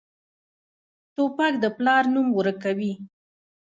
توپک د پلار نوم ورکوي.